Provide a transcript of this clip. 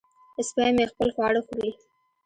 سپی مې خپل خواړه خوري.